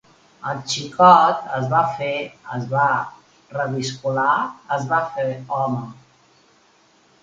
El xicot es va fer… es va reviscolar… es va fer home…